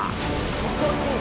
恐ろしい！